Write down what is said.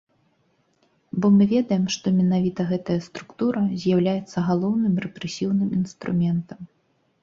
Бо мы ведаем, што менавіта гэтая структура з'яўляецца галоўным рэпрэсіўным інструментам.